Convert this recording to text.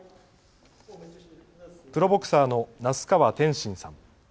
プロボクサーの那須川天心さん。